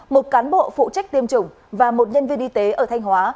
một cán bộ phụ trách tiêm chủng và một nhân viên y tế ở thanh hóa